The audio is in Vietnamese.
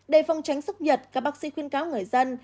để phòng tránh sốc nhật các bác sĩ khuyên cáo người dân